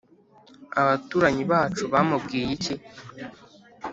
Abaturanyi bacu bamubwiye iki?”